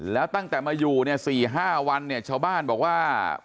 แล้วตั้งแต่มาอยู่เนี่ย๔๕วันเนี่ยชาวบ้านบอกว่า